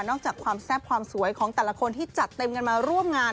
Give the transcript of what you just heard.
จากความแซ่บความสวยของแต่ละคนที่จัดเต็มกันมาร่วมงาน